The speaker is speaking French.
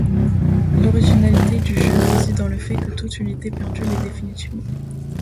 L'originalité du jeu réside dans le fait que toute unité perdue l'est définitivement.